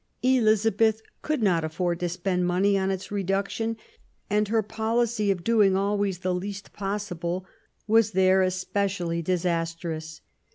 Elizabeth could not afford to spend money on its reduction, and her policy of doing always the least possible was there especially disastrous.